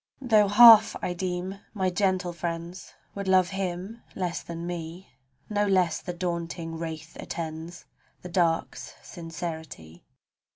Tho' half I deem my gentle friends Would love him less than me, No less the daunting wraith attends The dark's sincerity.